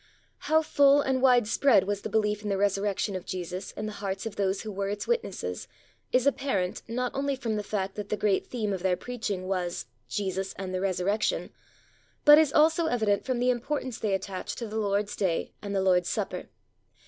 How full and widespread was the belief in the Resurrection of Jesus in the hearts of those who were its witnesses, is apparent not only from the fact that the great theme of their preaching was "Jesus and the resurrection," but is also evident from the importance they attached to the Lord's Day and the Lord's Supper.